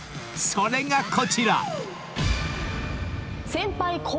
［それがこちら］